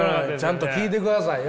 ちゃんと聞いてくださいよ。